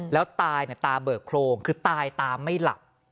แล้วตายตาเบิกโครงคือตายตาไม่หลับ